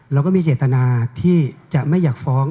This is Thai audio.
เราก็มีเจตนาที่จะไม่อยากฟ้อง